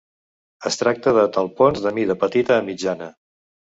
Es tracta de talpons de mida petita a mitjana.